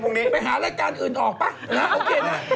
ไปหารายการอื่นออกปะโอเคนะ